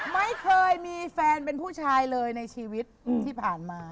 ไม่เคยมีแฟนเป็นผู้ชายเลยในชีวิตที่ผ่านมา